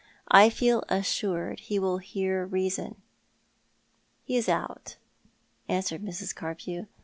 T feel assured he will hear reason." " He is out," answered Mrs. Carpew.